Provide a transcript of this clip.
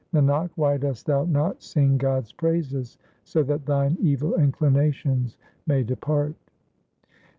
Nanak, why dost thou not sing God's praises so that thine evil inclinations may depart